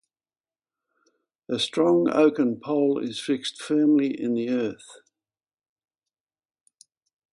A strong oaken pole is fixed firmly in the earth.